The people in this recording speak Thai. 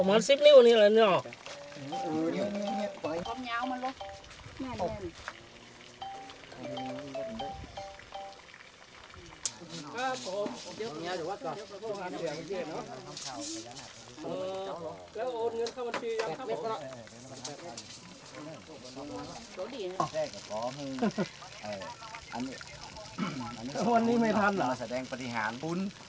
อันนี้ไม่ทันเหรอ